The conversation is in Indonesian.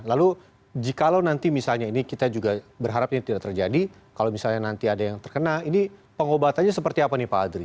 lalu jikalau nanti misalnya ini kita juga berharap ini tidak terjadi kalau misalnya nanti ada yang terkena ini pengobatannya seperti apa nih pak adri